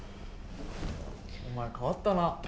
お前変わったな。